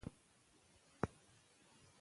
که روغتونونه فعال وي، باور زیاتېږي.